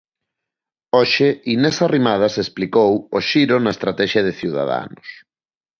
Hoxe Inés Arrimadas explicou o xiro na estratexia de Ciudadanos.